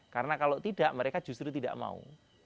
karena kalau tidak mereka justru tidak mau